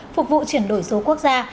phục vụ chuyển đổi số quốc gia